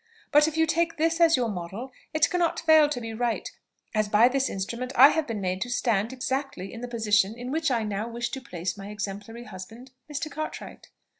But if you take this as your model, it cannot fail to be right, as by this instrument I have been made to stand exactly in the position in which I now wish to place my exemplary husband Mr. Cartwright."